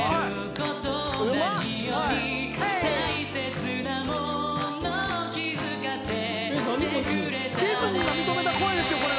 こいつディズニーが認めた声ですよ